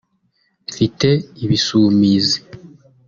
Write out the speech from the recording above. mfite ibisumizi